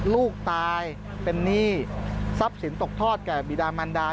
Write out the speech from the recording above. ลูกตายเป็นหนี้ทรัพย์สินตกทอดแก่บีดามันดา